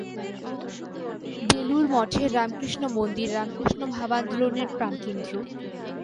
বেলুড় মঠের রামকৃষ্ণ মন্দির রামকৃষ্ণ ভাব-আন্দোলনের প্রাণকেন্দ্র।